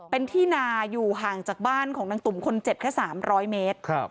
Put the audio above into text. เป็นที่นาอยู่ห่างจากบ้านของนางตุ๋มคนเจ็บแค่๓๐๐เมตร